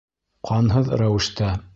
Ҡанһыҙ рәүештә.